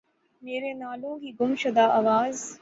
میرے نالوں کی گم شدہ آواز